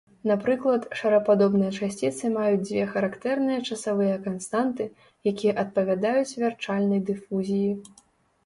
Напрыклад, шарападобныя часціцы маюць дзве характэрныя часавыя канстанты, якія адпавядаюць вярчальнай дыфузіі.